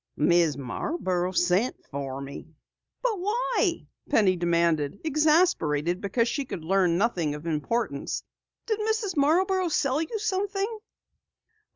"Mrs. Marborough sent for me." "But why?" Penny demanded, exasperated because she could learn nothing of importance. "Did Mrs. Marborough sell you something?"